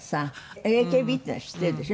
ＡＫＢっていうのは知っているでしょ？